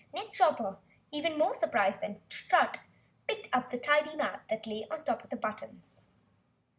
Nick Chopper, much more surprised than Strut, picked up the tidy map that lay on top of the buttons.